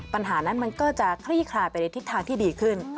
ปัญหานั้นมันก็จะคลี่คลายไปในทิศทางที่ดีขึ้น